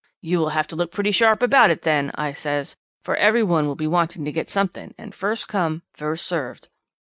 "'You will have to look pretty sharp about it then,' I says, 'for every one will be wanting to get something, and first come first served.'